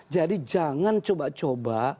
jadi jangan coba coba